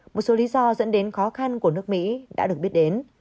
một số lý do dẫn đến khó khăn của nước mỹ đã được biết đến